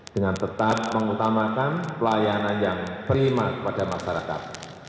dengan tetap mengutamakan pelayanan yang prima kepada masyarakat